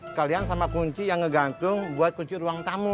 sekalian sama kunci yang ngegantung buat kunci ruang tamu